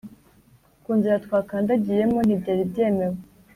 ku nzira twakandagiyemo ntibyari byemewe